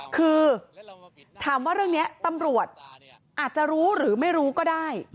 คือถามว่าเรื่องนี้ตำรวจอาจจะรู้หรือไม่รู้ก็ได้